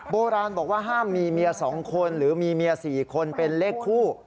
โบราณบอกว่าห้ามมีเมีย๒คนหรือมีเมีย๔คนเป็นเลขคู่